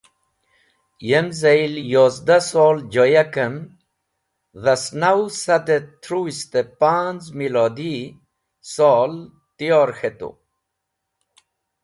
Yem zel) yozda sol joyakem dhasnaw sad et truwist panz̃ milodi sol tiyor k̃hetu.